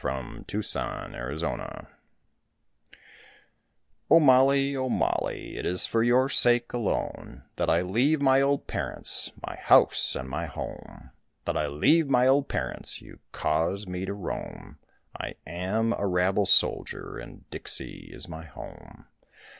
JACK O' DIAMONDS O Mollie, O Mollie, it is for your sake alone That I leave my old parents, my house and my home, That I leave my old parents, you caused me to roam, I am a rabble soldier and Dixie is my home.